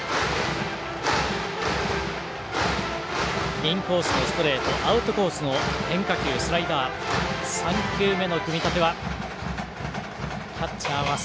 インコースのストレートアウトコースの変化球スライダー３球目の組み立てはキャッチャーは外。